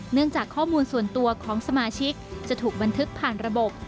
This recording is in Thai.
เนื่องจากข้อมูลส่วนตัวของสมาชิกจะถูกบันทึกผ่านระบบ